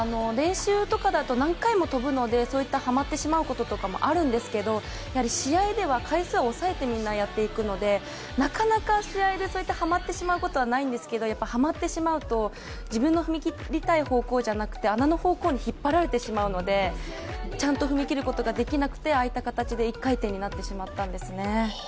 練習とかだと何回も跳ぶのでそういったはまってしまうこととかもあるんですけど試合では回数を抑えてみんなやっていくのでなかなか試合でそういったはまってしまうことはないんですけどはまってしまうと、自分の踏み切りたい方向じゃなくて穴の方向に引っ張られてしまうのでちゃんと踏み切ることができなくて１回転になってしまったんですね。